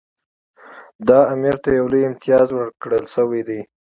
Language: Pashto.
دا امیر ته یو لوی امتیاز ورکړل شوی دی.